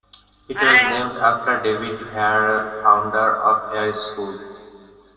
It is named after David Hare, founder of Hare School.